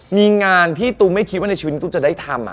มีงานที่ตูไม่คิดว่าในชีวิตนี้ตูจะได้ทำอ่ะ